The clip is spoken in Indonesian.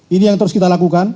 ini yang terus kita lakukan